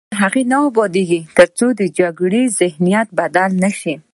افغانستان تر هغو نه ابادیږي، ترڅو د جګړې ذهنیت بدل نه شي.